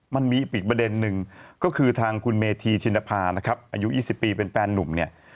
มันมีอีกประเด็นหนึ่งก็คือทางคุณเมธีชินภานะครับอายุ๒๐ปีเป็นแฟนนุ่มเนี่ย